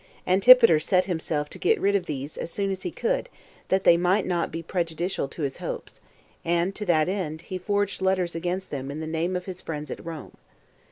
Antipater set himself to get rid of these as soon as he could, that they might not be prejudicial to his hopes; and to that end he forged letters against them in the name of his friends at Rome.